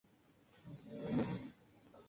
Vallarta, Jal.